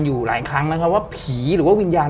อยู่หลายครั้งนะครับว่าผีหรือว่าวิญญาณ